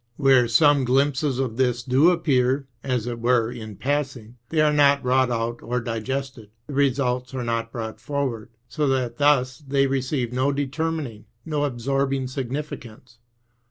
Where some glimpses of this do appear J as it were, in passing, they are not wrought out or digested, the results are not brought forward, so that thus they receive no determining, no absorbing significance.